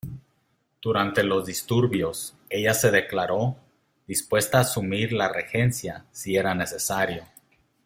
Durante los disturbios, ella se declaró dispuesta a asumir la regencia si era necesario.